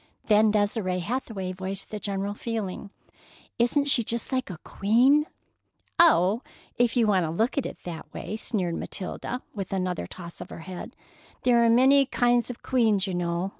Then Desire Hathaway voiced the general feeling: "Isn't she just like a queen?" "Oh, if you want to look at it that way!" sneered Matilda, with another toss of her head. "There are a good many kinds of queens, you know.